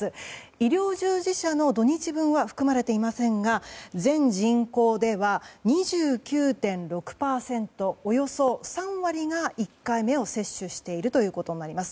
医療従事者の土日分は含まれていませんが全人口では、２９．６％およそ３割が１回目を接種しているということになります。